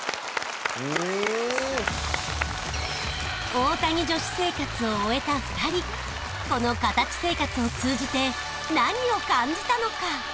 大谷女子生活を終えた２人この形生活を通じて何を感じたのか？